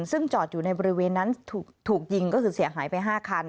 ซึ่งจอดอยู่ในบริเวณนั้นถูกยิงก็คือเสียหายไป๕คัน